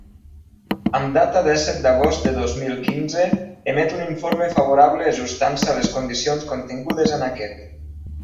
Amb data dèsset d'agost de dos mil quinze, emet un informe favorable ajustant-se a les condicions contingudes en aquest.